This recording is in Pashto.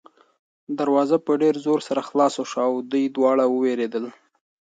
دروازه په ډېر زور سره خلاصه شوه او دوی دواړه ووېرېدل.